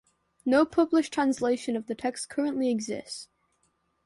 No published translation of the text currently exists.